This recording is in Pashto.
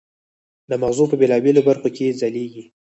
د مغزو په بېلابېلو برخو کې یې ځلېږي.